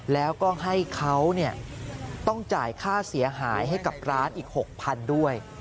แล้วก็ให้เขาต้องจ่ายค่าเสียหายให้กับร้านอีก๖๐๐๐ด้วย